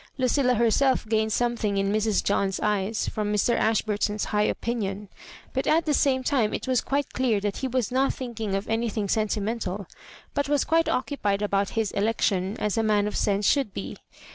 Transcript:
Lucilla herself gained something in Mrs. John's eyes from Mr. Ashbur ton's high opinion ; but at the same time it was quite clear that he was not thinking of anything sentimental, but was quite occupied about his election, as a man of sense should be.